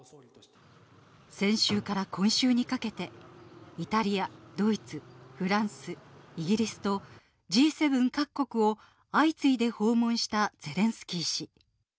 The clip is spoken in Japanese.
先週から今週にかけて、イタリア、ドイツ、フランス、イギリスと、Ｇ７各国を相次いで訪問したゼレンスキー氏。